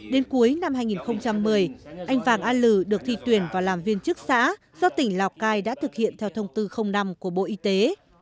đến cuối năm hai nghìn một mươi anh vàng a lử được thi tuyển vào làm viên chức xã do tỉnh lào cai đã thực hiện theo thông tư năm của bộ y tế